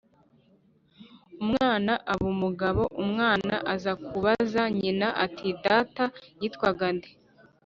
Umwana aba umugabo; umwana aza kubaza nyina ati: "Data yitwaga nde?"